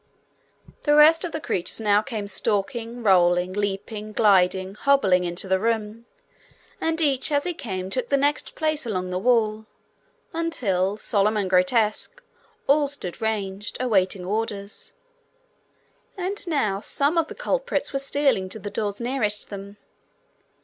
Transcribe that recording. The rest of the creatures now came stalking, rolling, leaping, gliding, hobbling into the room, and each as he came took the next place along the wall, until, solemn and grotesque, all stood ranged, awaiting orders. And now some of the culprits were stealing to the doors nearest them.